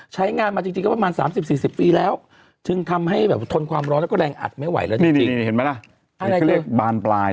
ใช้งานมาจริงก็ประมาณ๓๐๔๐ปีแล้วถึงทำให้แบบทนความร้อนแล้วก็แรงอัดไม่ไหวแล้วจริง